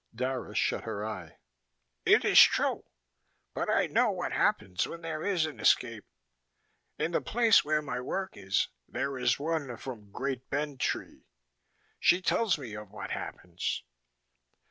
Dara shut her eye. "It is true. But I know what happens when there is an escape. In the place where my work is, there is one from Great Bend Tree. She tells me of what happens."